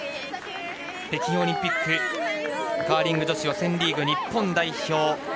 北京オリンピックカーリング女子予選リーグ日本代表